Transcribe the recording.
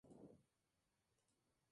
En Chachapoyas el distrito de Balsas.